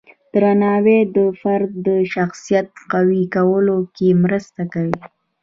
درناوی د فرد د شخصیت قوی کولو کې مرسته کوي.